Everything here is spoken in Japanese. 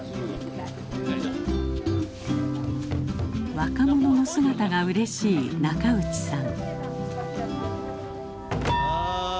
若者の姿がうれしい中内さん。